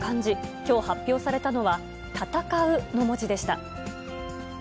きょう発表されたのは、たたかうの文字でした。